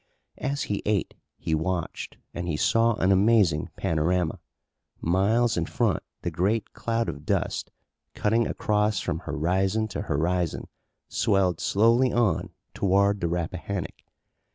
As he ate he watched and he saw an amazing panorama. Miles in front the great cloud of dust, cutting across from horizon to horizon swelled slowly on toward the Rappahannock.